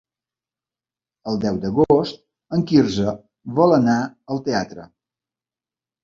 El deu d'agost en Quirze vol anar al teatre.